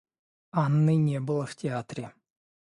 Анны не было в театре.